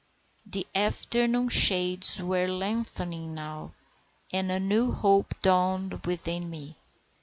The afternoon shades were lengthening now, and a new hope dawned within me.